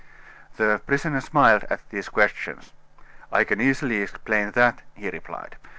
The prisoner smiled at these questions. "I can easily explain that," he replied.